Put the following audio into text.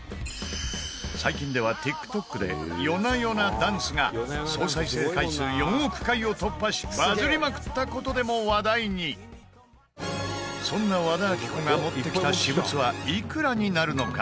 最近では、ＴｉｋＴｏｋで『ＹＯＮＡＹＯＮＡＤＡＮＣＥ』が総再生回数４億回を突破しバズりまくった事でも話題にそんな和田アキ子が持ってきた私物は、いくらになるのか？